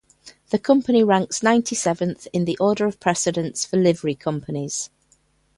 The Company ranks ninety-seventh in the order of precedence for Livery Companies.